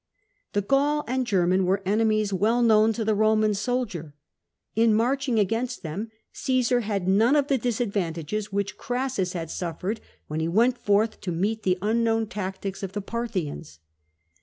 / The Gaul and German were enemies well known to the Roman soldier. In marching against them Caesar had none of the disadvantages which Crassus had suffered when he went forth to meet the unknown tactics of the Parthians.